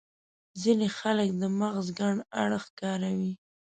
ځينې خلک د مغز کڼ اړخ کاروي.